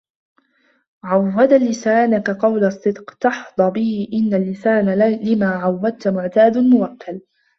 عَوِّدْ لِسَانَك قَوْلَ الصِّدْقِ تَحْظَ بِهِ إنَّ اللِّسَانَ لِمَا عَوَّدْتَ مُعْتَادُ مُوَكَّلٌ